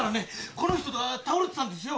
この人が倒れてたんですよ。